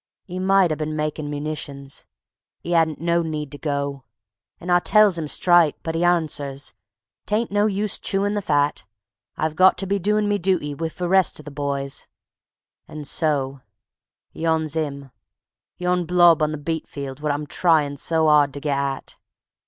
'E might 'a bin makin' munitions 'e 'adn't no need to go; An' I tells 'im strite, but 'e arnsers, "'Tain't no use chewin' the fat; I've got to be doin' me dooty wiv the rest o' the boys" ... an' so Yon's 'im, yon blob on the beet field wot I'm tryin' so 'ard to git at.